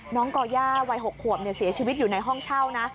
ก่อย่าวัย๖ขวบเสียชีวิตอยู่ในห้องเช่านะ